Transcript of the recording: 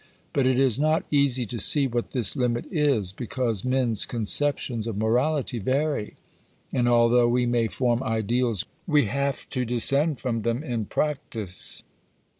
But it is not easy to see what this limit is, because men's conceptions of morality vary, and although we may form ideals we have to descend from them in practice.